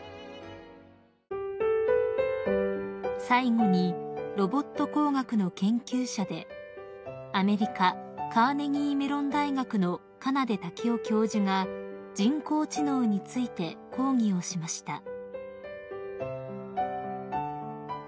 ［最後にロボット工学の研究者でアメリカカーネギーメロン大学の金出武雄教授が「人工知能」について講義をしました］